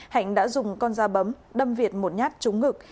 hạnh đã dùng con dao bấm đâm việt một nhát trúng ngực